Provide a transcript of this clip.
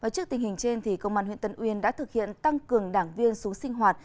trước tình hình trên công an huyện tân uyên đã thực hiện tăng cường đảng viên xuống sinh hoạt